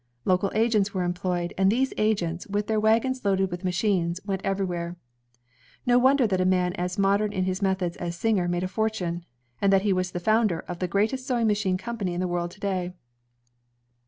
Local agents were employed, and these agents, with their wagons loaded with machines, went everywhere. No wonder that a man as modem in his methods as Singer made a fortune, and that he was the founder of the greatest sewing machine company in the world to day.